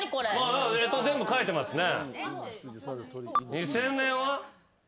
干支全部書いてますね。